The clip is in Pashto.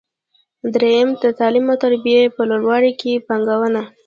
درېیم: د تعلیم او تربیې په لوړولو کې پانګونه.